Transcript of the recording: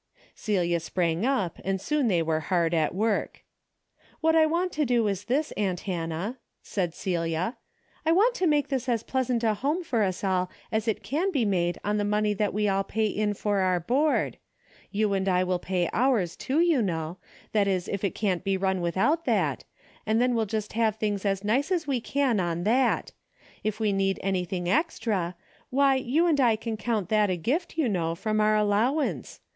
Celia sprang up and soon they were hard at work. " What I want to do is this, aunt Hannah," said Celia. " I want to make this as pleasant a home for us all, as it can be made on the money that we all pay in for our board. You and I will pay ours too, you know, that is if it can't be run without that, and then we'll just have things as nice as we can on that. If we need anything extra, why you and I can count that a gift, you know, from our allowance.